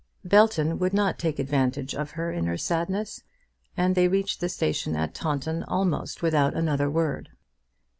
Belton would not take advantage of her in her sadness, and they reached the station at Taunton almost without another word.